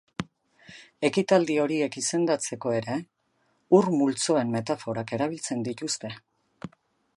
Ekitaldi horiek izendatzeko ere, ur multzoen metaforak erabiltzen dituzte.